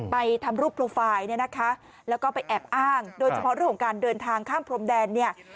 ไปทำรูปโปรไฟล์แล้วก็ไปแอบอ้างโดยเฉพาะเรื่องของการเดินทางข้ามพรมแดน